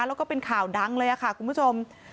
แล้วก็เป็นข่าวดังเลยค่ะคุณผู้ชม